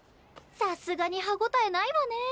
さすがに歯応えないわねえ。